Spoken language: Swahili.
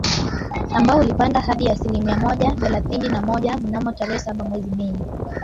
ambao ulipanda hadi asilimia mia moja thelathini na moja mnamo tarehe saba mwezi Mei